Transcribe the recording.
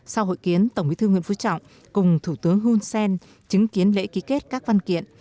sau hội kiến tổng bí thư nguyễn phú trọng cùng thủ tướng hun sen chứng kiến lễ ký kết các văn kiện